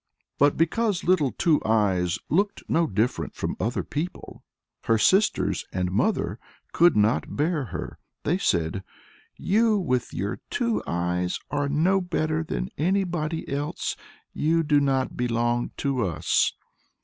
But because Little Two Eyes looked no different from other people, her sisters and mother could not bear her. They said, "You with your two eyes are no better than anybody else; you do not belong to us."